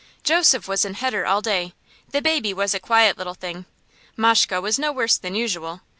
Joseph was in heder all day; the baby was a quiet little thing; Mashke was no worse than usual.